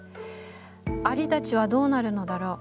蟻たちはどうなるのだろう。